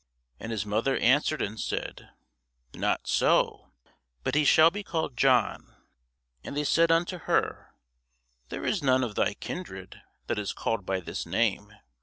And his mother answered and said, Not so; but he shall be called John. And they said unto her, There is none of thy kindred that is called by this name.